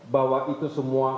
bahwa itu semua